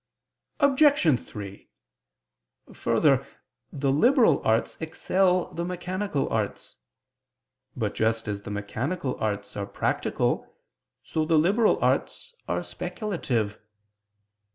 Obj. 3: Further, the liberal arts excel the mechanical arts. But just as the mechanical arts are practical, so the liberal arts are speculative.